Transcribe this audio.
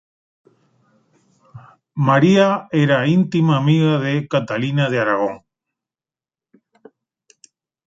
María era íntima amiga de Catalina de Aragón.